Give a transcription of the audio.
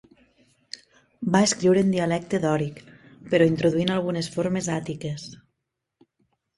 Va escriure en dialecte dòric, però introduint algunes formes àtiques.